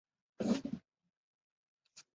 两个女儿开心把玩